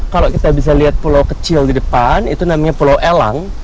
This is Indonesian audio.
kalau kita bisa lihat pulau kecil di depan itu namanya pulau elang